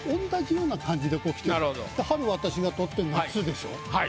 春私が取って夏でしょ。